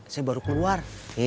saya baru keluar